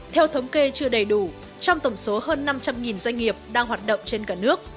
theo thống kê chưa đầy đủ trong tổng số hơn năm trăm linh doanh nghiệp đang hoạt động trên cả nước